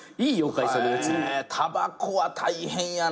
へぇたばこは大変やな。